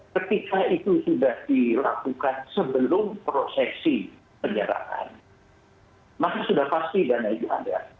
ketika itu sudah dilakukan sebelum prosesi penyerahan maka sudah pasti dana itu ada